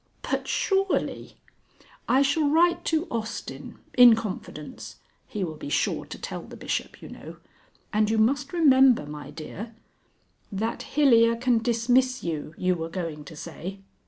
"But surely " "I shall write to Austin. In confidence. He will be sure to tell the Bishop, you know. And you must remember, my dear " "That Hilyer can dismiss you, you were going to say.